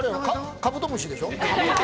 カブトムシでしょ？